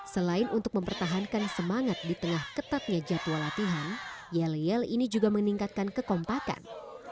selain untuk mempertahankan semangat di tengah ketatnya jadwal latihan yel yel ini juga meningkatkan kekompakan